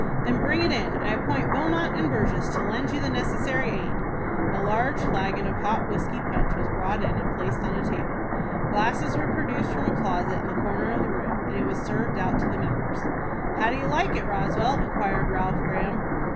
"Then bring it in. I appoint Wilmot and Burgess to lend you the necessary aid." A large flagon of hot whiskey punch was brought in and placed on a table. Glasses were produced from a closet in the corner of the room, and it was served out to the members. "How do you like it, Roswell?" inquired Ralph Graham.